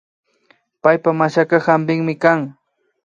Paypak mashaka hampikmi kan